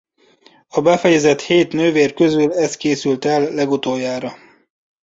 A befejezett hét nővér közül ez készült el legutoljára.